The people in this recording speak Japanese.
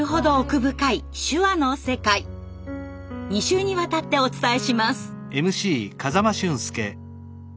２週にわたってお伝えします。